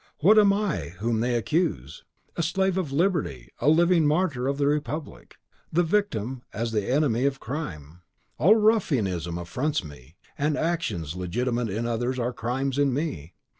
What am I whom they accuse? A slave of liberty, a living martyr of the Republic; the victim as the enemy of crime! All ruffianism affronts me, and actions legitimate in others are crimes in me.